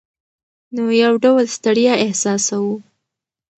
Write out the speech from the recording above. نو یو ډول ستړیا احساسوو.